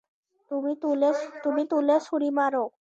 তুমি তুলে ছুঁড়ে মারো।